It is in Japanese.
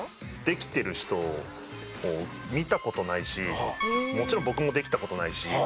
できてる人を見た事ないしもちろん僕もできた事ないし。